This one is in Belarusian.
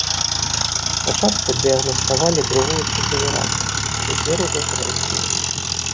Спачатку дыягнаставалі другую ступень раку, цяпер ужо трэцюю.